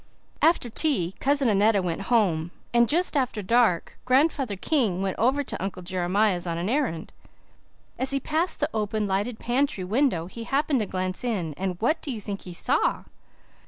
After tea Cousin Annetta went home, and just about dark Grandfather King went over to Uncle Jeremiah's on an errand. As he passed the open, lighted pantry window he happened to glance in, and what do you think he saw?